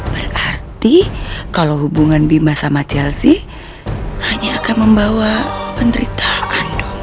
berarti kalau hubungan bima sama chelsea hanya akan membawa penderita andong